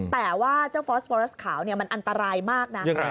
แต่ว่าเจ้าฟอสวอรัสขาวมันอันตรายมากนะ